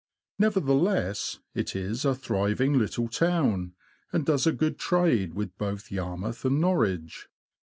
Nevertheless, it is a thriving little town, and does a good trade with both Yar mouth and Norwich.